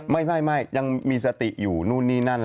ไม่ยังมีสติอยู่นู่นนี่นั่น